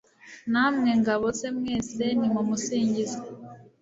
namwe, ngabo ze mwese nimumusingize